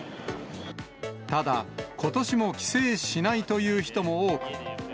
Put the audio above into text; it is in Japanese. ただ、ことしも帰省しないという人も多く。